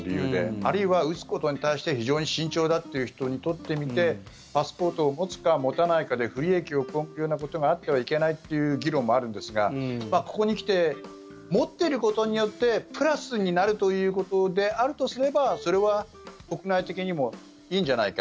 あるいは打つことに対して非常に慎重だという人にとってみてパスポートを持つか持たないかで不利益を被るようなことがあってはいけないという議論もあるんですがここに来て持ってることによってプラスになるということであるとすればそれは国内的にもいいんじゃないか。